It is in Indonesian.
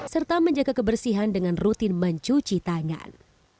serta menjaga kebersihan dengan rutin mencuci tangan